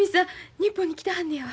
日本に来てはんのやわ。